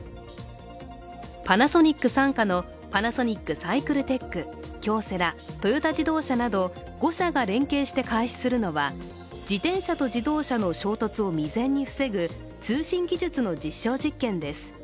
パナソニック傘下のパナソニックサイクルテック、京セラ、トヨタ自動車など５社が連携して開始するのは自転車と自動車の衝突を未然に防ぐ通信技術の実証実験です。